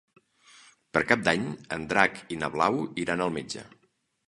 Per Cap d'Any en Drac i na Blau iran al metge.